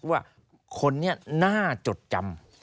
ว่าคนนี้น่าจดจำ